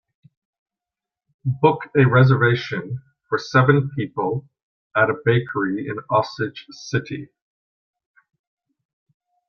Book a reservation for seven people at a bakery in Osage City